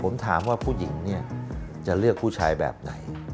ผมถามว่าผู้หญิงเนี่ยจะเลือกผู้ชายแบบไหน